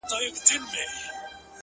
• تا راته نه ويل د کار راته خبري کوه ؛